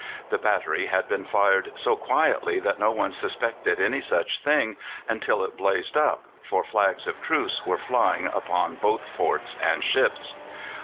The battery had been fired so quietly that no one suspected any such thing until it blazed up, for flags of truce were flying upon both forts and ships.